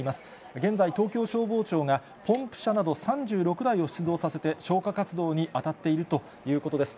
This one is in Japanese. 現在、東京消防庁が、ポンプ車など３６台を出動させて、消火活動に当たっているということです。